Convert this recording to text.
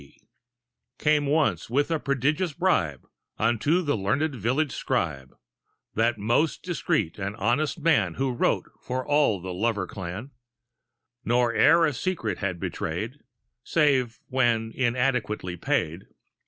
C, Came once with a prodigious bribe Unto the learned village scribe, That most discreet and honest man Who wrote for all the lover clan, Nor e'er a secret had betrayed Save when inadequately paid.